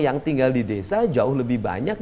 yang tinggal di desa jauh lebih banyak